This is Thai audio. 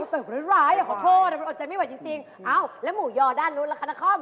ต่ำร้อยขอโทษจริงแล้วหมูยอด้านนู้นล่ะค่ะนคร